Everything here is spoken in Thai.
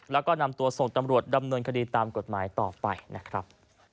แล้วก็นำตัวส่งตำรวจดำเนินคดีตามกฎหมายต่อไปนะครับ